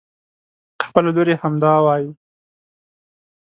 خپله لور يې هم همدا وايي.